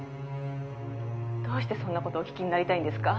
「どうしてそんな事お聞きになりたいんですか？」